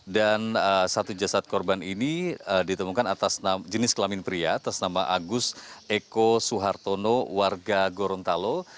dan satu jasad korban ini ditemukan jenis kelamin pria tersenama agus eko suhartono warga gorontalo